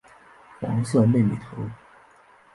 黄色妹妹头。